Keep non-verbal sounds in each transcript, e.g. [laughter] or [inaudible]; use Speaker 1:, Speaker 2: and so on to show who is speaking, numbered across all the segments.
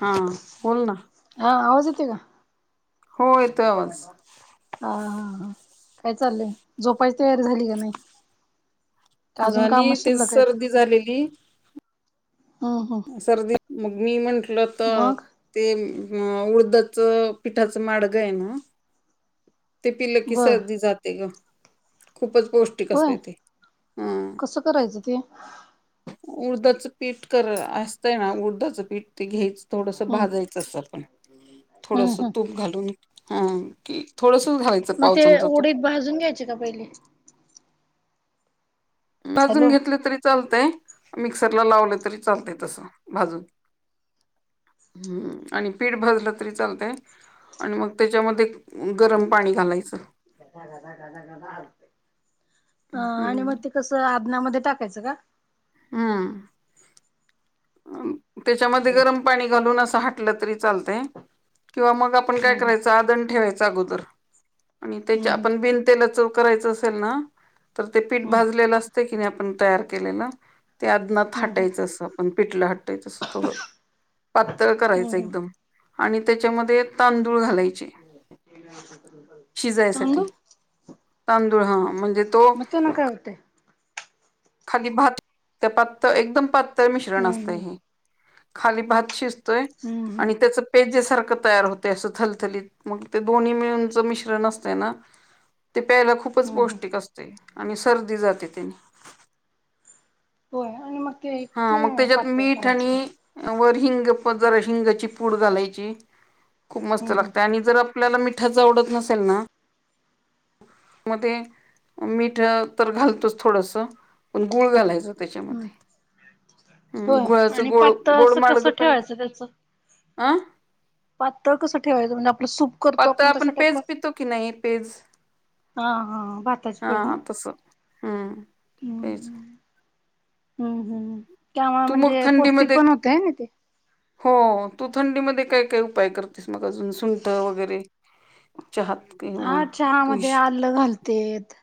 Speaker 1: हा बोल ना
Speaker 2: हा आवाज येते का?
Speaker 1: हो
Speaker 2: हा
Speaker 1: येतोय आवाज.
Speaker 2: हा हा काय चाललंय झोपायची तयारी झाली का नाही? का
Speaker 1: घाली तेच सर्दी झालेली.
Speaker 2: हा हो.
Speaker 1: सर्दी मग मी म्हटलं तर
Speaker 2: मग
Speaker 1: ते म उडदाचं पिठाचं माडगं आहे ना ते पिलं की
Speaker 2: बर
Speaker 1: सर्दी जाते गं खूपच पोष्ट
Speaker 2: होय कसं करायचं ते.
Speaker 1: उडदाचं पीठ कर असतंय ना उडदाचं पीठ ते घ्यायच थोडसा
Speaker 2: हम्म
Speaker 1: भाजायचं असं आपण थोडसा
Speaker 2: हम्म हम्म
Speaker 1: तूप घालून हा कि थोडसच घालायच.
Speaker 2: म ते उडीद भाजून घ्यायचे का पहिले?
Speaker 1: भाजून
Speaker 2: हॅलो
Speaker 1: घेतले तरी चालतय मिक्सरला लावलं तरी चालतय तसं भाजून. हम्म आणि पीठ भजलं तरी चालतंय आणि मग त्याच्यामध्ये गरम पाणी घालायचं.
Speaker 2: आणि
Speaker 1: हम्म
Speaker 2: म ते कसं आप ऊनामध्ये टाकायचं का?
Speaker 1: हम्म. अम्म तेच्यामध्ये गरम पाणी घालून असं हाटलं तरी चालतय किंवा मग आप पण काय
Speaker 2: हम्म
Speaker 1: करायचं आदन ठेवायचा अगोदर आणि त्याच्या
Speaker 2: हम्म हम्म
Speaker 1: आपण बिनतेलचं करायचस तेल ना तर ते पीठ
Speaker 2: हम्म
Speaker 1: भाजलेले असतं की नाही आपण तयार केलेला त्यात तनात
Speaker 2: हम्म हम्म
Speaker 1: हाटायचं असं आपण पिटलं हटायचं असं थोडं पातळ
Speaker 2: हम्म
Speaker 1: करायचं
Speaker 2: हम्म
Speaker 1: एकदम. आणि त्याच्यामध्ये एक तांदूळ घालायचे शिजायसाठी.
Speaker 2: तांदूळ
Speaker 1: तांदुळ हा मंग
Speaker 2: म त्याना काय होतेय?
Speaker 1: खाली भात त्या पातळ एकदम पातळ मिश्रण
Speaker 2: हम्म
Speaker 1: असतय
Speaker 2: हम्म
Speaker 1: हे खाली भात शिज तोय
Speaker 2: हम्म हम्म
Speaker 1: आणि त्याचा पेजेसारखं तयार होते असं थलथलीत मंग ते दोन्ही मिळूनच मिश्रण असतय ना. ते प्यायला खूपच
Speaker 2: हम्म हम्म
Speaker 1: पौष्टिक असते आणि सर्दी जाते त्याने.
Speaker 2: होय आणि मग ते
Speaker 1: हा
Speaker 2: किती
Speaker 1: मग त्याज्यात
Speaker 2: पातळ
Speaker 1: मीठ
Speaker 2: करायचं?
Speaker 1: आणि वर हिंग प जरा हिंगाची पूड घालायची खूप
Speaker 2: हम्म
Speaker 1: मस्त
Speaker 2: हम्म
Speaker 1: लागते आणि जर आप पल्याला मिठाचा आवडत नसेल ना मध्ये मीठ तर घालतोच थोडसा पण गुळ घालायचं
Speaker 2: हम्म
Speaker 1: त्याच्यामध्ये. हम्म
Speaker 2: होय
Speaker 1: गुळाचं
Speaker 2: आणि
Speaker 1: गोड
Speaker 2: पातळ
Speaker 1: गोड
Speaker 2: असं कसं
Speaker 1: मडगं पण
Speaker 2: ठेवायचं त्याचं
Speaker 1: अं
Speaker 2: पातळ कसं ठेवायचं म्हणजे आपलं सुप
Speaker 1: पातळ आपण पेज पितो की नाही पेज
Speaker 2: हा हा भाताची
Speaker 1: हा
Speaker 2: पेरणं.
Speaker 1: तस हम्म
Speaker 2: [inaudible]
Speaker 1: पेज
Speaker 2: हम्म तेव्हा
Speaker 1: तू मग
Speaker 2: म्हणजे पौष्टिक
Speaker 1: थंडीमध्ये
Speaker 2: पण होतंय ना ते
Speaker 1: हो तु थंडीमध्ये काय काय उपाय करतेस मग अजून सुंठ वगैरे चहात किंवा
Speaker 2: हा चहा मध्ये
Speaker 1: तुळशी
Speaker 2: आलं घालतेत.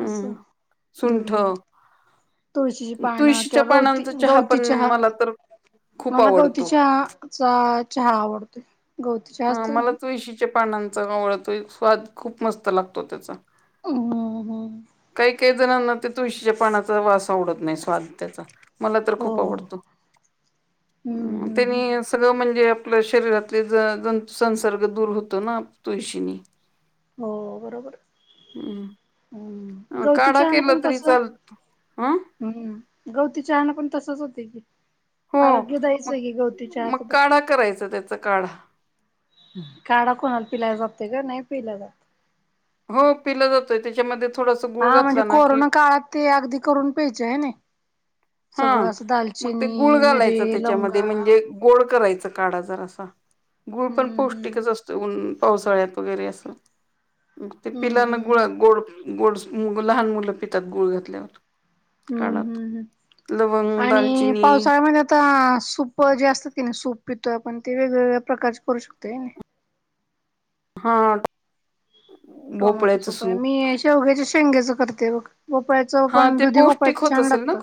Speaker 2: असं
Speaker 1: सुंठ
Speaker 2: हम्म तुळशीची पानं
Speaker 1: तुळशीच्या
Speaker 2: किंवा गवती
Speaker 1: पानांचा चहा
Speaker 2: गवती
Speaker 1: पण
Speaker 2: चहा
Speaker 1: मला तर खूप
Speaker 2: मला
Speaker 1: आवडतो
Speaker 2: गवतीच्या चा चहा आवडतो.
Speaker 1: हा मला तुळशीच्या पानांचा आवडतोय स्वाद खूप मस्त लागतो त्याचा.
Speaker 2: होय
Speaker 1: काही काही जणांना ते तुळशीच्या पानाचा वास आवडत नाही स्वाद त्याचा मला तर
Speaker 2: हो
Speaker 1: खूप आवडतो
Speaker 2: हम्म हम्म
Speaker 1: त्यानी सगळं म्हणजे आपल्या शरीरातले जतू संसर्ग दूर होतो ना तुळशीने
Speaker 2: हो बरोबर हो हम्म
Speaker 1: अ, काढा
Speaker 2: गवतीचहाने
Speaker 1: केला
Speaker 2: पण
Speaker 1: तरी
Speaker 2: तसं
Speaker 1: चाल हं
Speaker 2: हम्म गवती चहाना पण तसंच होत की
Speaker 1: हो
Speaker 2: आरोग्यदायच आहे की गवती चहा सुद्धा
Speaker 1: करायचं त्याचा काढा
Speaker 2: काढा कोणाला पिलायला जाते का नाही पिला जात.
Speaker 1: हो पिलं जातय त्याच्यामध्ये थोडासा
Speaker 2: हा
Speaker 1: गुळ
Speaker 2: म्हणजे
Speaker 1: घातला ना की
Speaker 2: कोरोना काळात ते अगदी करून प्यायचे आहे ना.
Speaker 1: हा
Speaker 2: सगळं असं
Speaker 1: मग ते गुळ
Speaker 2: दालचिनी मिरे
Speaker 1: घालायचं त्याच्यामध्ये
Speaker 2: लवंगा
Speaker 1: म्हणजे गोड करायचा काढा जर असा गुळ पण पौष्टिकच
Speaker 2: हम्म
Speaker 1: असतो. ऊन पावसाळ्यात वगैरे असं मग ते
Speaker 2: हम्म हम्म
Speaker 1: पिलांना गुळा
Speaker 2: हम्म
Speaker 1: गोड गोड मुल लहान मुलं पितात गुळ घातल्यावर
Speaker 2: हम्म
Speaker 1: काढा तो.
Speaker 2: हम्म हम्म
Speaker 1: लवंग,
Speaker 2: आणि
Speaker 1: दालचिनी
Speaker 2: पावसाळ्यामध्ये आता सूप जे असतात की नाही सूप पितोय आपण ते वेगवेगळ्या प्रकारचे करू शकतोय.
Speaker 1: हा
Speaker 2: टोमॅटो
Speaker 1: भोपळ्याचं
Speaker 2: सुप आहे
Speaker 1: सूप
Speaker 2: मी शेवग्याच्या शेंग्याचं करते बघ भोपळायचं
Speaker 1: हा
Speaker 2: पण
Speaker 1: ते
Speaker 2: दुधी
Speaker 1: पौष्टिक
Speaker 2: भोपळायचं
Speaker 1: होत
Speaker 2: छान
Speaker 1: असेल ना
Speaker 2: लागतं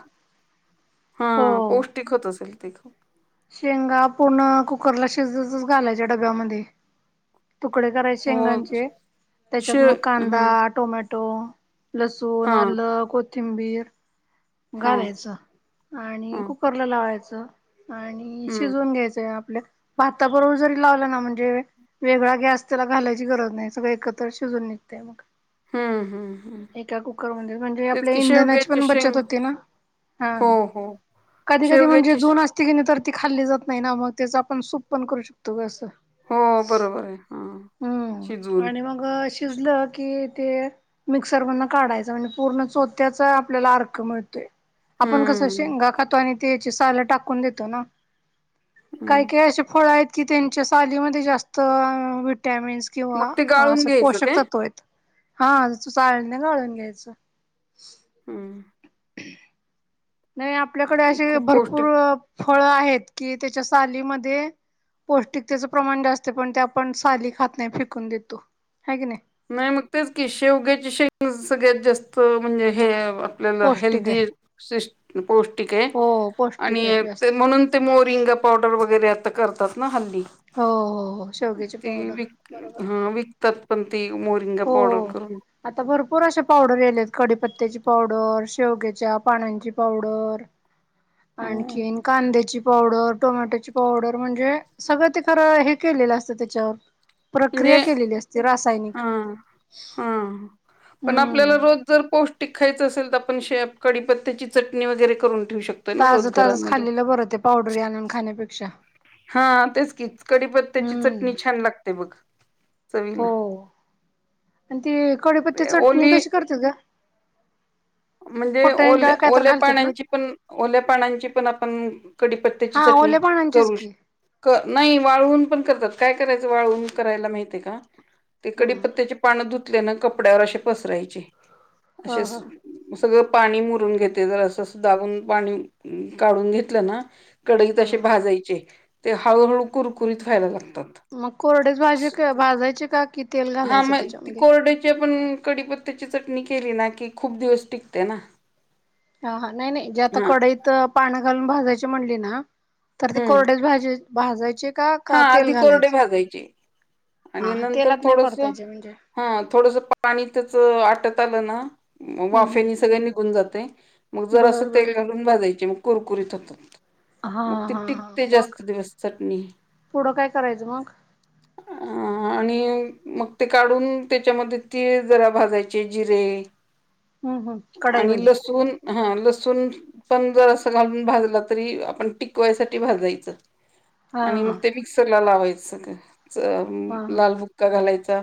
Speaker 2: हो
Speaker 1: तिखत असेल तिख
Speaker 2: शेंगा पूर्ण कुकरला शिजतच घालायच्या डब्यामध्ये तुकडे करायचे
Speaker 1: हो
Speaker 2: शेंगांचे
Speaker 1: शे
Speaker 2: त्याच्यात मग कांदा
Speaker 1: हं
Speaker 2: टोमॅटो लसूण
Speaker 1: हां
Speaker 2: आलं कोथिंबीर
Speaker 1: हां
Speaker 2: घालायचं आणि
Speaker 1: हां
Speaker 2: कुकरला लावायचं आणि
Speaker 1: हं
Speaker 2: शिजून घ्यायचं आपल्या भाताबरोबर जरी लावलं ना म्हणजे वेगळा गॅस त्याला घालायची गरज नाही सगळं एकत्र शिजून निघते मग.
Speaker 1: हं हं हं
Speaker 2: एका कुकरमध्ये म्हणजे
Speaker 1: तेच
Speaker 2: आपल्या
Speaker 1: की
Speaker 2: इंधनाची
Speaker 1: शेवग्याचे
Speaker 2: पण बचत
Speaker 1: शेंग
Speaker 2: होती. होते ना
Speaker 1: हो हो
Speaker 2: कधी कधी म्हणजे
Speaker 1: शेवग्याचे श
Speaker 2: जुन तर ती खाल्ली जात नाही ना मग त्याच आपण सूप पण करू शकतो ग असं.
Speaker 1: हो बरोबर आहे हा शिजवून.
Speaker 2: अ शिजलं की ते मिक्सर मधून काढायचं म्हणजे पूर्ण चोत्याचा आपल्याला अर्क मिळतं. आपण कसं
Speaker 1: हं
Speaker 2: शेंगा खातो आणि त्या याची साल टाकून देतो ना. काही
Speaker 1: हं
Speaker 2: काही अशी फळ आहेत की त्यांच्या सालीमध्ये जास्त विटॅमिन्स किंवा
Speaker 1: मग ते गाळून
Speaker 2: असं
Speaker 1: घ्यायचं
Speaker 2: पोषक
Speaker 1: काय
Speaker 2: तत्व आहेत हा तू चाळणीनी गाळून घ्यायचं.
Speaker 1: हम्म
Speaker 2: आणि आपल्याकडे असे
Speaker 1: खूप
Speaker 2: भरपूर
Speaker 1: पौष्टिक
Speaker 2: फळ आहेत कि ज्याच्या सालीमध्ये पौष्टिकतेचं प्रमाण जास्त पण ते आपण साली खात नाही फिकून देतो हाय की नाही?
Speaker 1: नाही मग तेच की शेवग्याची शेग सगळ्यात जास्त म्हणजे हे आपल्याला
Speaker 2: पौष्टिक
Speaker 1: हेल्दी
Speaker 2: आहे.
Speaker 1: पौष्टिक आहे
Speaker 2: हो
Speaker 1: आणि
Speaker 2: पौष्टिक आहे जास्त
Speaker 1: म्हणून ते मोरिंगा पावडर वगैरे आता करतात ना हल्ली.
Speaker 2: हो हो हो शेवग्याची
Speaker 1: ते
Speaker 2: पावडर
Speaker 1: विक
Speaker 2: बरोबर आहे.
Speaker 1: हा विक त्यात पण ती मोरिंगा पावडर
Speaker 2: हो
Speaker 1: करून
Speaker 2: आता भरपूर अशा पावडर यायल्यात कडीपत्त्याची पावडर शेवग्याच्या पानाची पावडर.
Speaker 1: हं.
Speaker 2: आणखीन कांद्याची. पावडर टोमॅटोची पावडर म्हणजे सगळं ते खरं हे केलेलं असतं त्याच्यावर. प्रक्रिया
Speaker 1: म्हणजे
Speaker 2: केलेली असते रासायनिक.
Speaker 1: हा हा पण आपल्याला
Speaker 2: हम्म
Speaker 1: रोज जर पौष्टिक खायचं असेल तर आपण शेप कडीपत्त्याची चटणी वगैरे करून ठेवू शकतो.
Speaker 2: ताजं ताजच खाल्लेलं बरं ते पावडरी आणून खाण्यापेक्षा.
Speaker 1: हा तेच की कडीपत्त्याची
Speaker 2: हम्म
Speaker 1: चटणी छान लागते बघ चवीला.
Speaker 2: अन ते कढीपत्त्याची
Speaker 1: ते
Speaker 2: चटणी
Speaker 1: ओली
Speaker 2: कशी करतात ग?
Speaker 1: म्हणजे ओ
Speaker 2: फोटाने डाळ काय तर
Speaker 1: ओल्या
Speaker 2: घालतात ना
Speaker 1: पानांची पण ओल्या पानांची पण आपण कढीपत्त्याची चटणी
Speaker 2: अहो ओल्या पानांचीच
Speaker 1: करू श
Speaker 2: की
Speaker 1: नाही वाळवून पण करतात काय करायचं वाळवून करायला महितीय का? ते
Speaker 2: हम्म.
Speaker 1: कडीपत्त्याचे पानं धुतले ना कपड्यावर असे पसरायचे
Speaker 2: हो
Speaker 1: असे
Speaker 2: हो.
Speaker 1: सगळं पाणी मुरून घेते जर असं दाबून पाणी काढून घेतलं ना कढईत असे
Speaker 2: हा
Speaker 1: भाजायचे ते हळूहळू कुरकुरीत व्हायला लागतात.
Speaker 2: मग कोरडेच भाजे भाजायचे का किती?
Speaker 1: हा मग ती कोरड्याची पण कडीपत्त्याची चटणी केली ना की खूप दिवस टिकते ना.
Speaker 2: ह हा नाही नाही जे आता
Speaker 1: हा
Speaker 2: कढईत पानं घालून भाजायची म्हणली ना तर ते
Speaker 1: हम्म
Speaker 2: कोरडेच भाज भाजायचे का
Speaker 1: हा
Speaker 2: का तेल
Speaker 1: आधी कोरडे
Speaker 2: घालायचं?
Speaker 1: भाजायचे. आणि
Speaker 2: हा
Speaker 1: नंतर
Speaker 2: तेलात नाही
Speaker 1: थोडस
Speaker 2: परतायचे म्हणजे
Speaker 1: हा थोडस पाणी त्याच आटत आलं ना
Speaker 2: हम्म हम्म.
Speaker 1: वाफेनी सगळ निघून जाते मग जरास
Speaker 2: बर बर
Speaker 1: तेल घालून भाजायचे मग कुरकुरीत होत.
Speaker 2: हा
Speaker 1: मग ती
Speaker 2: हा हा
Speaker 1: टिकते
Speaker 2: मग
Speaker 1: जास्त दिवस चटणी.
Speaker 2: पुढं काय करायचं मग?
Speaker 1: आणि मग ते काढून त्याच्यामध्ये तिळ जरा भाजायचे जिरे.
Speaker 2: हम् हम.
Speaker 1: आणि लसूण हा लसूण पण जर असं घालून भाजला तरी आपण टिकवायसाठी भाजायचं.
Speaker 2: हा
Speaker 1: आणि
Speaker 2: हा
Speaker 1: मग ते मिक्सरला लावायचं
Speaker 2: हा
Speaker 1: लाल फुक्का घालायचा.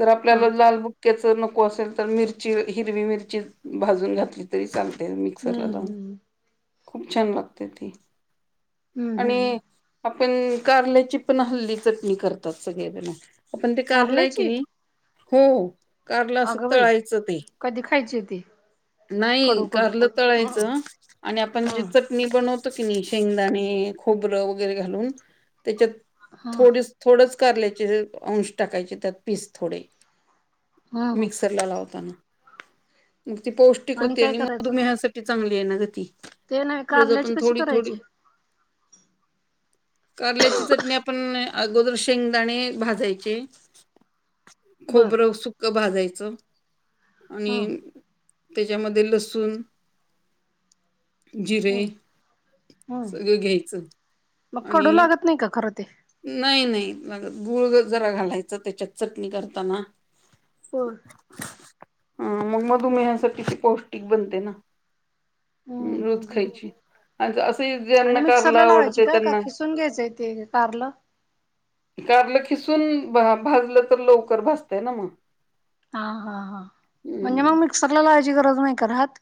Speaker 1: तर
Speaker 2: हा.
Speaker 1: आपल्याला लाल बुक्क्याच नको असेल तर मिरची हिरवी मिरची भाजून घातली. तरी चालते मिक्सरला
Speaker 2: हम्म
Speaker 1: लावून
Speaker 2: हम्म
Speaker 1: खूप छान लागते ती.
Speaker 2: हम्म हम्म हम्म
Speaker 1: आणि आपण कारल्याची पण हल्ली चटणी करतात सगळेजण. आपण ते कारलय की
Speaker 2: कारल्याची
Speaker 1: नाही? हो कारलं असं
Speaker 2: अगं बाई
Speaker 1: तळायचं ते
Speaker 2: कधी खायची होती?
Speaker 1: नाही कारल तळायचं आणि आपण
Speaker 2: ह
Speaker 1: चटणी नी बनवतो की नाही शेंगदाणे खोबरं वगैरे घालून त्याच्यात
Speaker 2: ह
Speaker 1: थोडी थोडच कारल्यायचे अंश टाकायचे त्यात पीस थोडे
Speaker 2: ह ह
Speaker 1: मिक्सर ला लावताना. मग ती पौष्टिक होते
Speaker 2: काय
Speaker 1: आणि
Speaker 2: करायचं
Speaker 1: मधुमेहासाठी चांगली आहे ना? ग ती.
Speaker 2: ते नाही
Speaker 1: रोज
Speaker 2: कारल्याची
Speaker 1: आपण
Speaker 2: कशी
Speaker 1: थोडी थोडी
Speaker 2: करायची?
Speaker 1: कारल्याची चटणी आपण अगोदर शेंगदाणे भाजायचे.
Speaker 2: बर
Speaker 1: खोबरं सुक भाजायचं आणि
Speaker 2: हम्म
Speaker 1: तेज्यामध्ये लसूण जिरे
Speaker 2: हम्म हम्म
Speaker 1: सगळं घ्यायचं
Speaker 2: मग
Speaker 1: आणि
Speaker 2: कडू लागत नाही का करत - - ते
Speaker 1: नाही - नाही मला गुळ गत जरा घालायचं त्याच्यात चटणी करताना.
Speaker 2: होय.
Speaker 1: ह मग मधुमेहासाठी ते पौष्टिक बनतेय ना? रोज खायची आज असं ही ज्यांना करला आवडतय त्यांना
Speaker 2: धुवून घ्यायचंय ते कारल
Speaker 1: कारलं खिसून भा -भाजलं तर लवकर भाजतय ना मग.
Speaker 2: हा हा हां. म्हणजे मग
Speaker 1: हम्म
Speaker 2: मिक्सरला लावायची गरज नाही का रहात?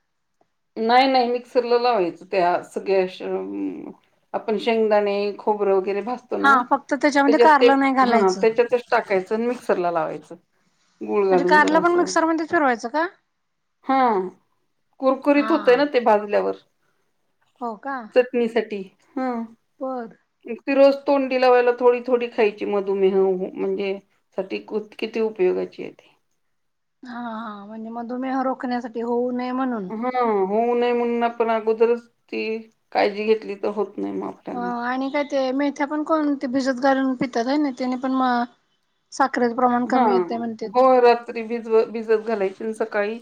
Speaker 1: नाही नाही मिक्सरला लावायचं त्या सगळ्या शर अं आपण शेंगदाणे खोबरं वगैरे भाजतो
Speaker 2: हा
Speaker 1: ना
Speaker 2: फक्त त्याच्यामध्ये
Speaker 1: त्याच्यात ते
Speaker 2: कारलं नाही
Speaker 1: हा
Speaker 2: घालायचं
Speaker 1: त्याच्यात ते सु टाकायचं आणि मिक्सर ला लावायचं. गुळ
Speaker 2: म्हणजे
Speaker 1: घालून
Speaker 2: कारलं पण
Speaker 1: जरासं.
Speaker 2: मिक्सरमध्ये फिरवायचं का
Speaker 1: हा. कुरीत होतय
Speaker 2: हा
Speaker 1: ना ते भाजल्यावर.
Speaker 2: हो का?
Speaker 1: चटणीसाठी हा.
Speaker 2: बर.
Speaker 1: ति रोज तोंडी लावायला थोडी थोडी खायची मधुमेह हू म्हणजे साठी कुत किती उपयोगाची आहे ती.
Speaker 2: हा हा म्हणजे मधुमेह रोखण्यासाठी होऊ नये म्हणून.
Speaker 1: ह होऊ नये म्हणून आपण अगोदरच ती काळजी घेतली तर होत नाही मग.
Speaker 2: आ
Speaker 1: आपल्याला.
Speaker 2: आणि काय ते मेथ्या पण कोण ते भिजत घालून पित्यात होय नई? तेनी पण मग साखरेचं प्रमाण कमी येतय म्हणतेत.
Speaker 1: त्री भिजव भिजत घालायची अनं सकाळी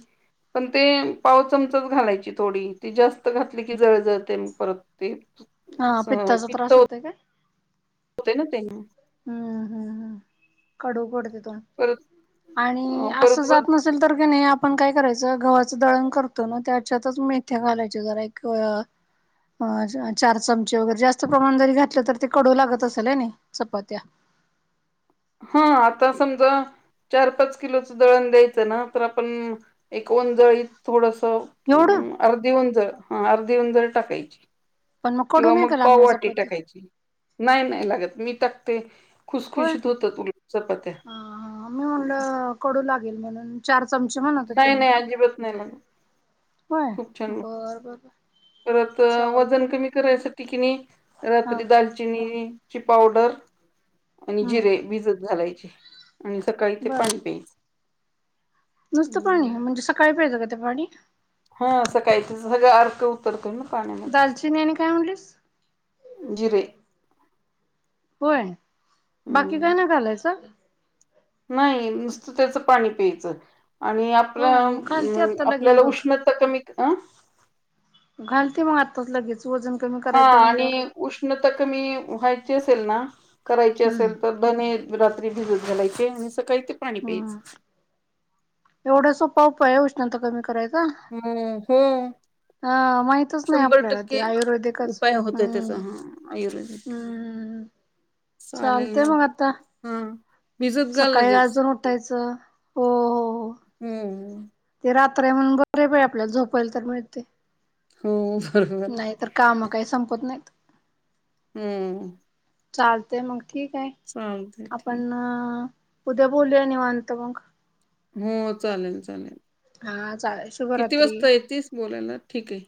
Speaker 1: पण ते पाव चमचाच घालायची थोडी ती जास्त घातली की जळजळतय मग परत ते
Speaker 2: हा
Speaker 1: स
Speaker 2: पित्ताचा
Speaker 1: पित्त
Speaker 2: त्रास
Speaker 1: होत
Speaker 2: होतोय काय
Speaker 1: - होतय ना ते न.
Speaker 2: हम्म हम् हम कडू पडतंय
Speaker 1: परत
Speaker 2: तोंड आणि
Speaker 1: अं,
Speaker 2: असं
Speaker 1: परत
Speaker 2: जात नस असल तर की नाही आपण काय करायचं गव्हाचं दळण करतो ना त्याच्यातच मेथ्या घालायचे जरा एक अ चार चमचे वगैरे जास्त प्रमाण जरी घातलं तर ते कडू लागत असेल हेने चपात्या.
Speaker 1: हा आता समजा चार पाच किलोचं दळण द्यायचं ना तर आपण एक ओंजळीत थोडंसं
Speaker 2: एवढं?
Speaker 1: अर्धी ओंजळ. हा अर्धी ओंजळ टाकायची.
Speaker 2: पण कडू
Speaker 1: किंवा
Speaker 2: नाही
Speaker 1: मग
Speaker 2: का लागणार
Speaker 1: पाववाटी
Speaker 2: चपाती
Speaker 1: टाकायची. नाही नाही लागत मी टाकते.
Speaker 2: होय
Speaker 1: खुशखुशीत होतात उलट चपात्या.
Speaker 2: हा - हा मी म्हटलं कडू लागेल म्हणून - - चार चमचे म्हणत होते
Speaker 1: नाही
Speaker 2: मी.
Speaker 1: नाही अजिबात नाही लागत
Speaker 2: होय
Speaker 1: खूप छान लागतात.
Speaker 2: बर - बर -बर.
Speaker 1: परत वजन कमी करायसाठी कीनी
Speaker 2: हा
Speaker 1: रात्री दाल चिनी ची पावडर आणि
Speaker 2: हम्म
Speaker 1: जिरे भिजत घालायचे. आणि सकाळी ते
Speaker 2: बर
Speaker 1: पाणी प्याय
Speaker 2: नुसतं पाणी म्हणजे सकाळी प्यायचं का ते पाणी
Speaker 1: हा सकाळी त्याज सगळं अर्क उतरतोय ना पाण्यामध्ये
Speaker 2: ते नी आणि काय म्हणलीस
Speaker 1: जिरे
Speaker 2: होय बाकी
Speaker 1: हम्म
Speaker 2: काय नाय घालायचं.
Speaker 1: नाही नुसतं त्याचं पाणी प्यायचं आणि आपलं
Speaker 2: हो मग घालते
Speaker 1: अं
Speaker 2: आत्ता लगेच
Speaker 1: आपल्याला
Speaker 2: बघ
Speaker 1: उष्ण ता कमी अ
Speaker 2: घालते मग आताच लगेच वजन कमी
Speaker 1: हा
Speaker 2: करायचे म्हणल्यावर
Speaker 1: आणि उष्णता कमी व्हायची असेल ना करायची
Speaker 2: हम्म
Speaker 1: असेल तर धने रात्री भिजत घालायचे आणि सकाळी ते पाणी
Speaker 2: हम्म
Speaker 1: प्यायचं.
Speaker 2: एवढा सोपा उपाय आय उष्णता कमी कराय
Speaker 1: हूं हूं
Speaker 2: हा माहितच नाय आपल्याला ते आयुर्वेदिकच
Speaker 1: उपाय होतोय त्याचा
Speaker 2: हम्म
Speaker 1: हा आयुर्वेदिक
Speaker 2: हम्म चालतय मग आता
Speaker 1: ह
Speaker 2: सकाळी अजून उठायचं हो हो हो
Speaker 1: हम्म
Speaker 2: ते रात्रय म्हणून बरय बाई आपल्याला झोपायला तर मिळतंय.
Speaker 1: हूं [unintelligible]
Speaker 2: नाही तर काम काय संपत नाहीत.
Speaker 1: हम्म
Speaker 2: चालतय मग ठीक हाय
Speaker 1: चालतंय ठीक
Speaker 2: आपण उद्या बोलूया निवांत मग
Speaker 1: हो चालेल चालेल
Speaker 2: हा चालेल
Speaker 1: किती
Speaker 2: शुभरात्री
Speaker 1: वाजता येेतीस बोलायला ठीक आय.